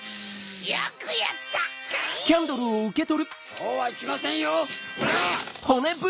そうはいきませんよホラ！